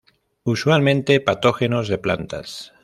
Usualmente patógenos de plantas.